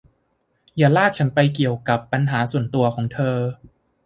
อย่าลากฉันไปเกี่ยวกับปัญหาส่วนตัวของเธอ